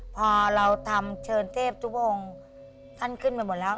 พอเราทำเชิญเทพทุกองค์ท่านขึ้นไปหมดแล้ว